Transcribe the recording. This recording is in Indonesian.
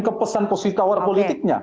kepesan positower politiknya